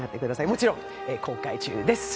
もちろん公開中です。